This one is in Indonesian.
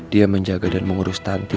dia menjaga dan mengurus tantu